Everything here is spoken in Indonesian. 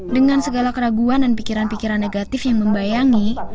dengan segala keraguan dan pikiran pikiran negatif yang membayangi